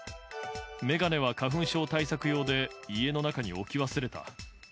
眼鏡は花粉症対策用で、家の中に置き忘れた。